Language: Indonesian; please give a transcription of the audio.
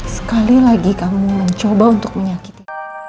sekali lagi kami mencoba untuk menyakiti